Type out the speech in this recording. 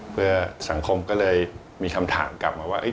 เพื่อสังคมก็เลยมีคำถามกลับมาว่า